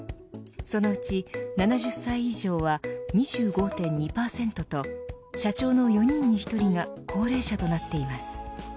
そのうち７０歳以上は２５．２％と社長の４人に１人が高齢者となっています。